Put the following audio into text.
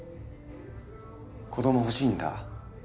子ども欲しいんだ？